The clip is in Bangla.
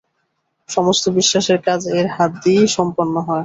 সমস্ত বিশ্বাসের কাজ এর হাত দিয়েই সম্পন্ন হয়।